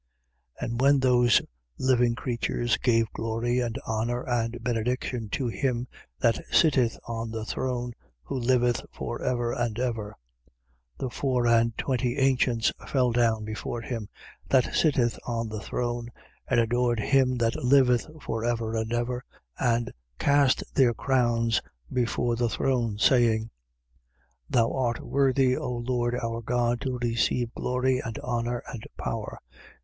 4:9. And when those living creatures gave glory and honour and benediction to him that sitteth on the throne, who liveth for ever and ever: 4:10. The four and twenty ancients fell down before him that sitteth on the throne and adored him that liveth for ever and ever and cast their crowns before the throne, saying: 4:11. Thou art worthy, O Lord our God, to receive glory and honour and power.